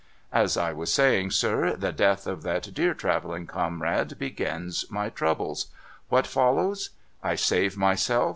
' As I was saying, sir, the death of that dear travelling comrade begins my troubles. What follows ? I save myself.